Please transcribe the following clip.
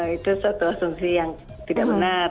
itu suatu asumsi yang tidak benar